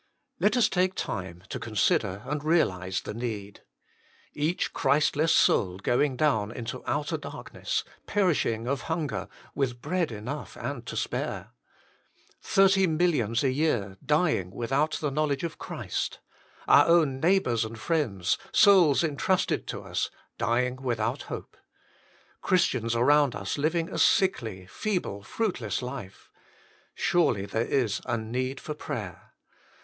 Let us take time to consider and realise the need. Each Christless soul going down into outer darkness, perishing of hunger, with bread enough and to spare ! Thirty millions a year dying without the knowledge of Christ ! Our own neighbours and friends, souls intrusted to us, dying without hope ! Christians around us living a sickly, feeble, fruitless life ! Surely there is need for prayer.